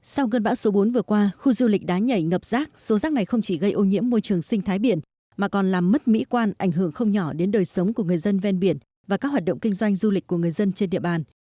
sau cơn bão số bốn vừa qua khu du lịch đá nhảy ngập rác số rác này không chỉ gây ô nhiễm môi trường sinh thái biển mà còn làm mất mỹ quan ảnh hưởng không nhỏ đến đời sống của người dân ven biển và các hoạt động kinh doanh du lịch của người dân trên địa bàn